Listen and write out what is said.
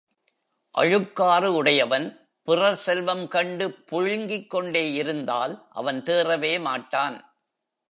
அழுக்காறு உடையவன் பிறர் செல்வம் கண்டு புழுங்கிக் கொண்டே இருந்தால் அவன் தேறவே மாட்டான்.